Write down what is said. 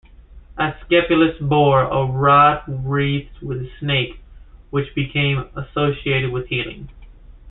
Asclepius bore a rod wreathed with a snake, which became associated with healing.